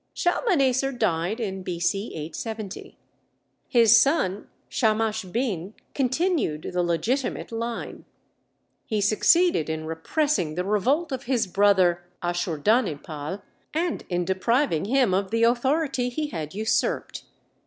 Shalmaneser died in B.C. 870; his son, Shamash Bin, continued the legitimate line. He succeeded in repressing the revolt of his brother Asshurdaninpal and in depriving him of the authority he had usurped.